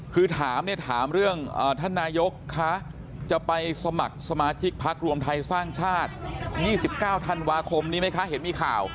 คือถามเรื่องธนายกขาจะไปสมัครสมาชิกพระครวมไทยสร้างชาติ๒๙ธันวาคมนี้ไหมคะเห็นมีข่าว